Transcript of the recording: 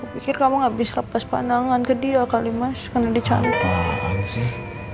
pikir kamu nggak bisa lepas pandangan ke dia kali mas karena dicantik